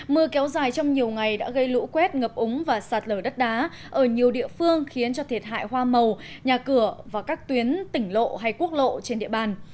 mưa kéo dài trong nhiều ngày đã gây lũ quét ngập úng và sạt lở đất đá ở nhiều địa phương khiến cho thiệt hại hoa màu nhà cửa và các tuyến tỉnh lộ hay quốc lộ trên địa bàn